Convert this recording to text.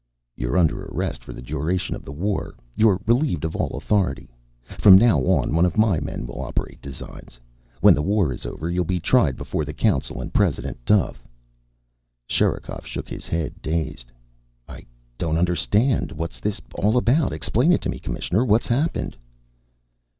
"You're under arrest for the duration of the war. You're relieved of all authority. From now on one of my men will operate Designs. When the war is over you'll be tried before the Council and President Duffe." Sherikov shook his head, dazed. "I don't understand. What's this all about? Explain it to me, Commissioner. What's happened?"